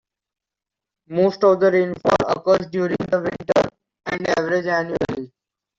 Most of the rainfall occurs during the winter and averages annually.